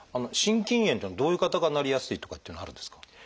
心筋炎っていうのはどういう方がなりやすいとかというのはあるんですか？